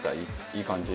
いい感じ。